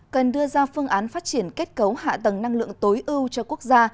cần đưa ra phương án phát triển kết cấu hạ tầng năng lượng tối ưu cho quốc gia